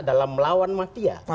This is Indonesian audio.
dalam melawan mafia